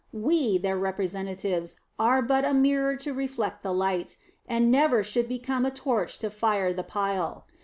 We, their representatives, are but a mirror to reflect the light, and never should become a torch to fire the pile.